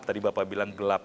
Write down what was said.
tadi bapak bilang gelap